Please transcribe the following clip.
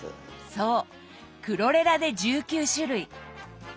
そうクロレラで１９種類。